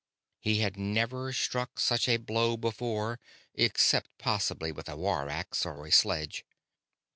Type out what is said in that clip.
He had never struck such a blow before, except possibly with a war axe or a sledge.